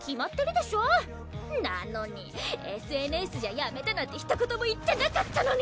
なのにＳＮＳじゃ辞めたなんてひと言も言ってなかったのに！